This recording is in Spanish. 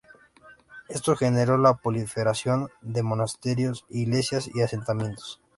Esto generó la proliferación de monasterios, iglesias y asentamientos.